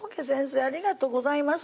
ありがとうございます